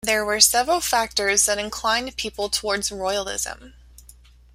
There were several factors that inclined people towards Royalism.